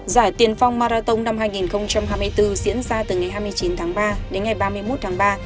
giải tiền phong marathon năm hai nghìn hai mươi bốn diễn ra từ ngày hai mươi chín tháng ba đến ngày ba mươi một tháng ba